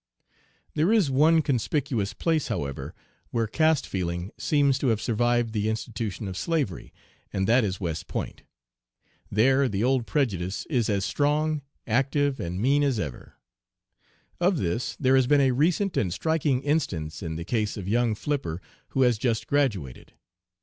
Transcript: "There is one conspicuous place, however, where caste feeling seems to have survived the institution of slavery, and that is West Point. There the old prejudice is as strong, active, and mean as ever. Of this there has been a recent and striking instance In the case of young Flipper who has just graduated.